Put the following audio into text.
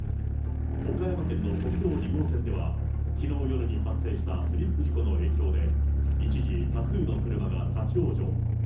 岡山県の国道２号線では、きのう夜に発生したスリップ事故の影響で、一時多数の車が立往生。